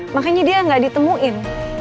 makanya dia nggak ditemuin